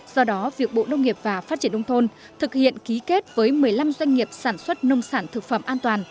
do đó việc bộ nông nghiệp và phát triển nông thôn thực hiện ký kết với một mươi năm doanh nghiệp sản xuất nông sản thực phẩm an toàn